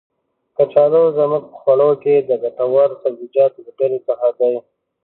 کچالو زمونږ په خواړو کې د ګټور سبزيجاتو له ډلې څخه دی.